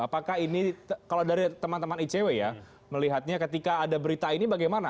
apakah ini kalau dari teman teman icw ya melihatnya ketika ada berita ini bagaimana